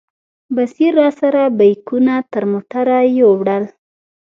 بصیر راسره بیکونه تر موټره یوړل.